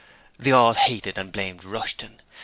They all hated and blamed Rushton.